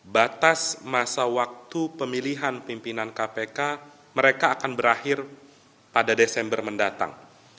batas masa waktu pemilihan pimpinan kpk mereka akan berakhir pada desember mendatang